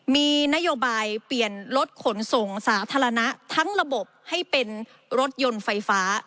มีนโยบายเปลี่ยนรถขนส่งสาธารณะทั้งระบบให้เป็นรถยนต์ไฟฟ้า